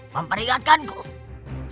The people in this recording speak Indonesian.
memperingatkanku soal apa